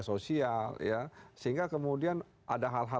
sosial ya sehingga kemudian ada hal hal